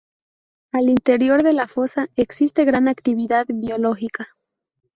Al interior de la fosa, existe gran actividad biológica.